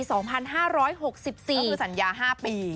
ก็คือสัญญา๕ปี